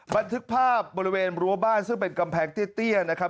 บันทึกภาพบริเวณรั้วบ้านซึ่งเป็นกำแพงเตี้ยนะครับ